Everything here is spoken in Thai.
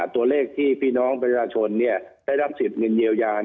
ตัวเลขที่พี่น้องประชาชนได้รับสิทธิ์เงินเยียวยา